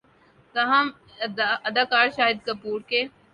تاہم اداکار شاہد کپور کے